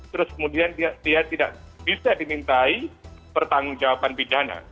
terus kemudian dia tidak bisa dimintai pertanggung jawaban pidana